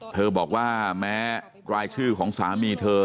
เธอบอกว่าแม้รายชื่อของสามีเธอ